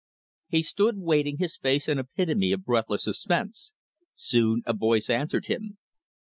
He stood waiting, his face an epitome of breathless suspense. Soon a voice answered him.